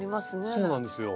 そうなんですよ